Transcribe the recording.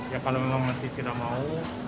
ya kalau memang masih tidak mau